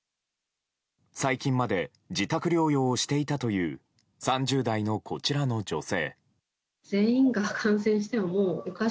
最近まで自宅療養をしていたという３０代のこちらの女性。